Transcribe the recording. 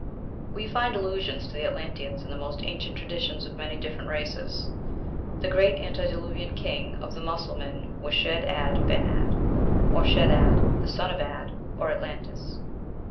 We find allusions to the Atlanteans in the most ancient traditions of many different races. The great antediluvian king of the Mussulman was Shedd Ad Ben Ad, or Shed Ad, the son of Ad, or Atlantis.